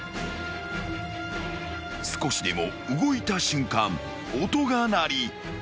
［少しでも動いた瞬間音が鳴り］